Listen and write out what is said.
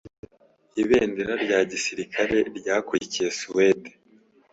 Ibendera rya gisirikare ryakurikiye Suwede